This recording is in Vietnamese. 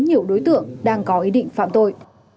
nhiều đối tượng đang có ý định phạm tội